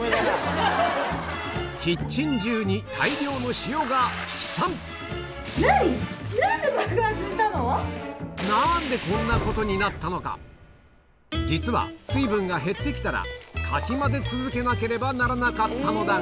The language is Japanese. キッチン中に実は水分が減って来たらかき混ぜ続けなければならなかったのだが